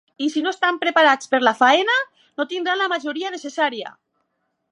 I si no estan preparats per la feina, no tindran la majoria necessària.